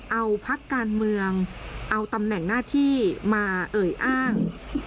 เอาพักการเมืองเอาตำแหน่งหน้าที่มาเอ่ยอ้าง